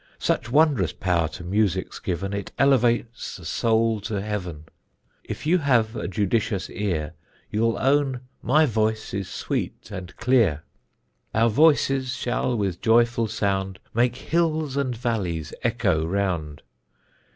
Such wondrous power to music's given It elevates the soul to heaven. If you have a judicious ear You'll own my voice is sweet and clear. Our voices shall with joyful sound Make hills and valleys echo round.